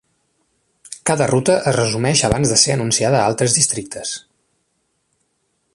Cada ruta es resumeix abans de ser anunciada a altres districtes.